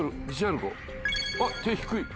あっ手低い！